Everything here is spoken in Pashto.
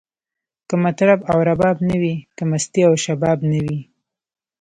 که مطرب او رباب نه وی، که مستی او شباب نه وی